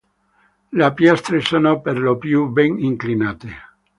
Le piastre sono per lo più ben inclinate.